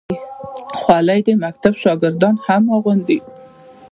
خولۍ د مکتب شاګردان هم اغوندي.